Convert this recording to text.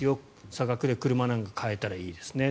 差額で車なんか買えたらいいですね。